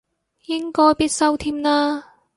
應該必修添啦